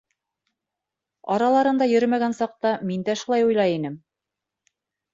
Араларында йөрөмәгән саҡта мин дә шулай уйлай инем!